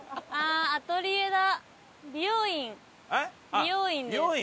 美容院です。